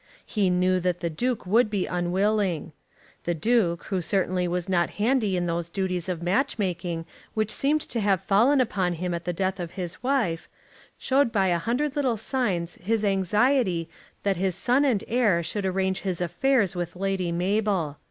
He knew that the Duke would be unwilling. The Duke, who certainly was not handy in those duties of match making which seemed to have fallen upon him at the death of his wife, showed by a hundred little signs his anxiety that his son and heir should arrange his affairs with Lady Mabel.